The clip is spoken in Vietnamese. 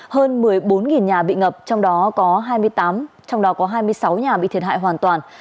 hơn một mươi bốn nhà bị ngập trong đó có hai mươi sáu nhà bị thiệt hại hoàn toàn